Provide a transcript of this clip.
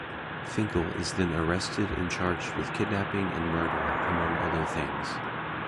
Finkle is then arrested and charged with kidnapping and murder, among other things.